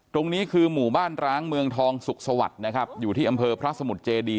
ตรงนี้คือหมู่บ้านร้างเมืองทองสุขสวัสดิ์นะครับอยู่ที่อำเภอพระสมุทรเจดี